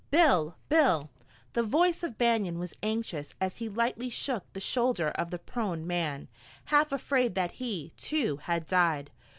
"Bill! Bill!" The voice of Banion was anxious as he lightly shook the shoulder of the prone man, half afraid that he, too, had died.